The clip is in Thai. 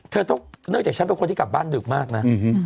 เนื่องจากฉันเป็นคนที่กลับบ้านดึกมากนะ